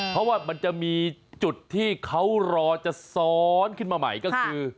เพราะว่ามันจะมีจุดที่เขารอจะซ้อนขึ้นมาใหม่ก็คือ